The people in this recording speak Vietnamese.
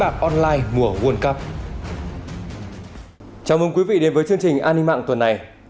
chào mừng quý vị đến với chương trình an ninh mạng tuần này